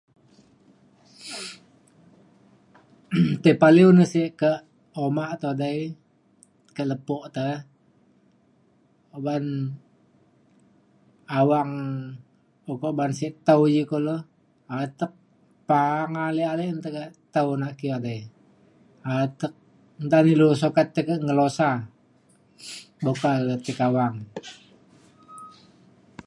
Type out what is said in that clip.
tei paliu ne sek kak uma te dei ke lepo te uban awang ukok ban sek tau ji kulo atek ta’ang ale ale un tekak tau na ki edei. atek nta na ilu sukat tekak ngelusa buk ka le ti kawang